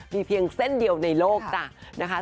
มีเพียงเส้นเดียวในโลกจ้ะนะคะ